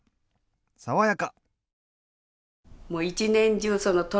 爽やか！